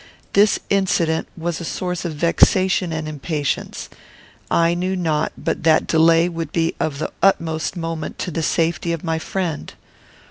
This incident was a source of vexation and impatience. I knew not but that delay would be of the utmost moment to the safety of my friend.